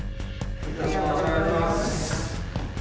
よろしくお願いします。